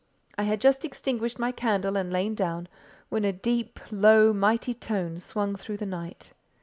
I had just extinguished my candle and lain down, when a deep, low, mighty tone swung through the night.